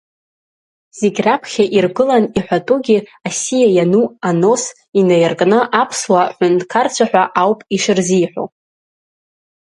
Зегьраԥхьа иргылан иҳәатәугьы асиа иану Анос инаиркны Аԥсуа ҳәынҭқарцәа ҳәа ауп ишырзиҳәо.